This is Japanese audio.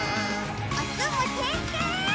おつむてんてん！